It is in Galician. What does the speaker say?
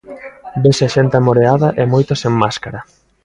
Vese a xente amoreada e moitos sen máscara.